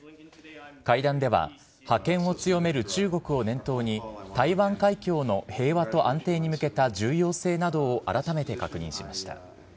会談では、覇権を強める中国を念頭に、台湾海峡の平和と安定に向けた重要性などを改めて確認しました。